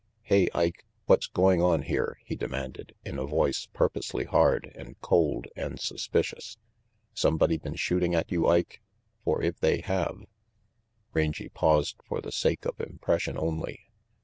"Hey, Ike, what's going on here?" he demanded, RANGY PETE 169 in a voice purposely hard, and cold and suspicious. "Somebody been shooting at you, Ike? For if they have " Rangy paused for the sake of impression only.